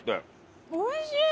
おいしい！